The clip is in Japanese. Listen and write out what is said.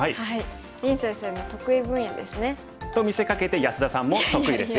林先生の得意分野ですね。と見せかけて安田さんも得意ですよ。